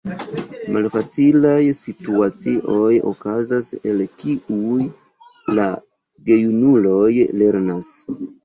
Malfacilaj situacioj okazas, el kiuj la gejunuloj lernas.